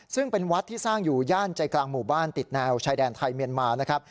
ซึ่งเป็นวัดที่สร้างอยู่ย่านใจกลางหมู่บ้านติดแนวชายแดนไทยเมียนมานะครับ